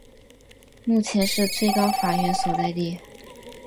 目前是最高法院所在地。